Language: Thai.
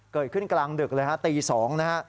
เกิดขึ้นกลางดึกเลยฮะตี๒นะฮะ